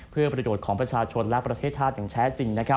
เพื่อประโยชน์ของประชาชนและประเทศธาตุอย่างแท้จริง